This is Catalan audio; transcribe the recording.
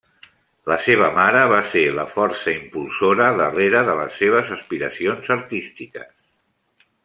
La seva mare va ser la força impulsora darrere de les seves aspiracions artístiques.